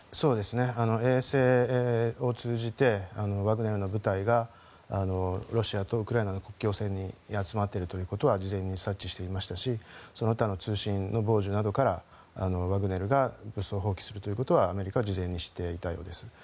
衛星を通じてワグネルの部隊がロシアとウクライナの国境線に集まっているということは事前に察知していましたしその他の通信の傍受などからワグネルが武装蜂起するということはアメリカは事前に知っていたようです。